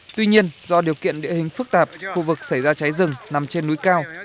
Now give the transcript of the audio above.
tuy nhiên do điều kiện địa hình phức tạp khu vực xảy ra cháy rừng nằm trên núi cao